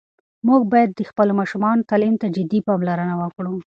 موږ باید د خپلو ماشومانو تعلیم ته جدي پاملرنه وکړو.